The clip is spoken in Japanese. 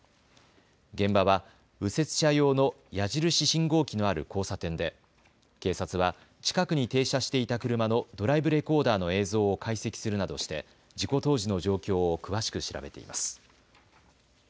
現場は右折車用の矢印信号機のある交差点で警察は近くに停車していた車のドライブレコーダーの映像を解析するなどして事故当時の状況を詳しく調べています。